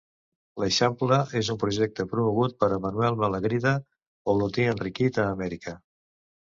L'eixample és un projecte promogut per Manuel Malagrida, olotí enriquit a Amèrica.